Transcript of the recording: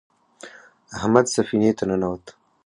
احمد سفینې ته ننوت.